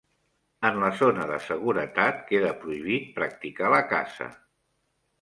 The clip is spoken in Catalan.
En la zona de seguretat queda prohibit practicar la caça.